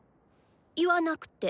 言わなくて。